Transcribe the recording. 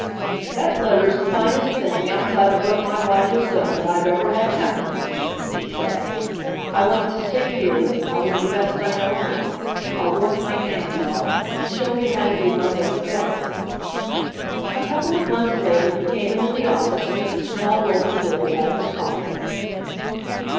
"That letter's the finest thing, outside of what my wife has done, that I've ever had happen to me," he said. "I want to stick here, I'll do the best I know how. I'll work my hands off. Show me how to do my work better." A couple of months later he came into the office and took a small roll of bills out of his pocket.